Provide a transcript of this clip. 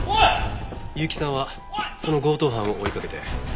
結城さんはその強盗犯を追いかけて。